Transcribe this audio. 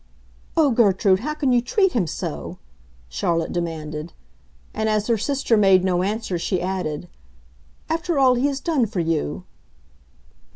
"Oh, Gertrude, how can you treat him so?" Charlotte demanded. And as her sister made no answer she added, "After all he has done for you!"